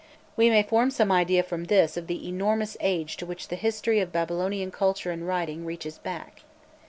We may form some idea from this of the enormous age to which the history of Babylonian culture and writing reaches back.